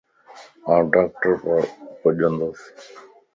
آن ڊاڪٽر بنجنڌوس